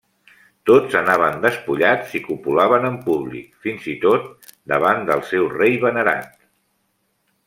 Tots anaven despullats i copulaven en públic, fins i tot davant del seu rei venerat.